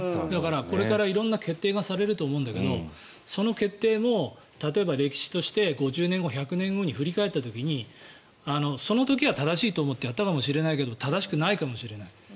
だからこれから色んな決定がされると思うんだけどそれも歴史として５０年後１００年後に振り返った時にその時は正しいと思ってやったかもしれないけど正しくないかもしれない。